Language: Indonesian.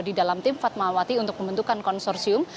di dalam tim fatmawati untuk pembentukan konsorsium